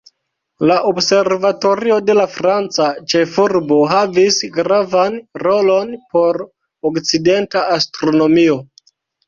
La observatorio de la franca ĉefurbo havis gravan rolon por okcidenta astronomio.